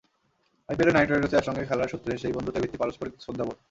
আইপিএলে নাইট রাইডার্সে একসঙ্গে খেলার সূত্রে সেই বন্ধুত্বের ভিত্তি পারস্পরিক শ্রদ্ধাবোধ।